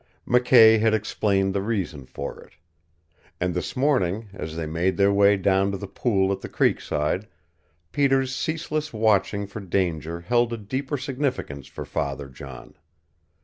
McKay had explained the reason for it. And this morning, as they made their way down to the pool at the creekside, Peter's ceaseless watching for danger held a deeper significance for Father John.